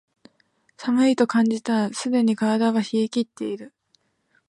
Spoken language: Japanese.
寒いと感じたらすでに体は冷えきってる